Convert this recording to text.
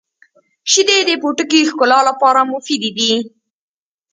• شیدې د پوټکي ښکلا لپاره مفیدې دي.